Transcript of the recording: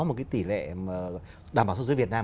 một cái tỷ lệ đảm bảo xuất xứ việt nam